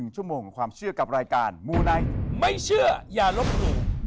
ชั่วโมงของความเชื่อกับรายการมูไนท์ไม่เชื่ออย่าลบหลู่